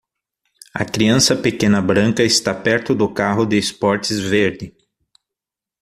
A criança pequena branca está perto do carro de esportes verde.